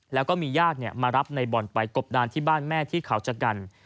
แล้วก็มีญาติมารับในบ่อนไปกบดานที่บ้านแม่ที่เขาชะกัน